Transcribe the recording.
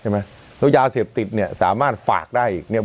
แล้วยาเสพติดสามารถปากได้อีก